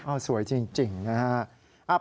สวยจริงนะครับ